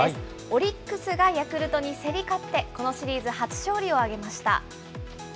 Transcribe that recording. オリックスがヤクルトに競り勝って、このシリーズ初勝利を挙げました。